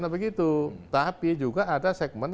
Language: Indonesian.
begitu tapi juga ada segmen